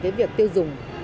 cái việc tiêu dùng